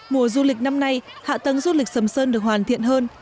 mùa du lịch năm nay hạ tầng du lịch sầm sơn được hoàn thiện hơn